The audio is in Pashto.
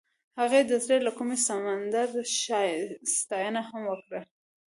هغې د زړه له کومې د سمندر ستاینه هم وکړه.